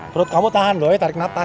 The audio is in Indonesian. perut kamu tahan doi tarik nafas